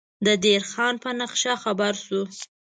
د دیر خان په نقشه خبر شو.